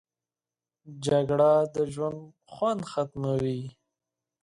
جګړه د ژوند خوند ختموي